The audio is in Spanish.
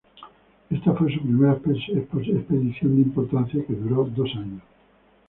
Esta fue su primera expedición de importancia, que duró dos años.